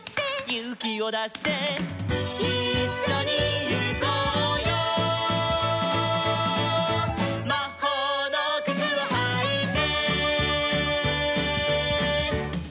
「ゆうきをだして」「いっしょにゆこうよ」「まほうのくつをはいて」